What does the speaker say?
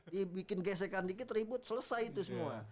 dibikin gesekan dikit ribut selesai itu semua